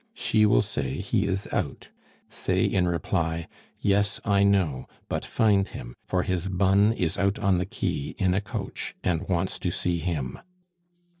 She will say he is out. Say in reply, 'Yes, I know, but find him, for his bonne is out on the quay in a coach, and wants to see him.